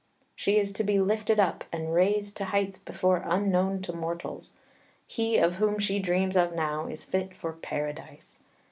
She is to be lifted up, and raised to heights before unknown to mortals. He of whom she dreams of now is fit for Paradise.